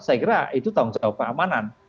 saya kira itu tanggung jawab keamanan